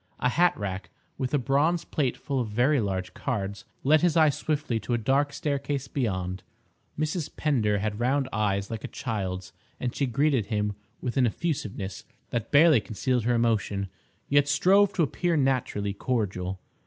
A hat rack, with a bronze plate full of very large cards, led his eye swiftly to a dark staircase beyond. Mrs. Pender had round eyes like a child's, and she greeted him with an effusiveness that barely concealed her emotion, yet strove to appear naturally cordial.